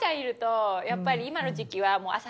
やっぱり今の時期は。